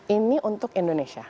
ini untuk indonesia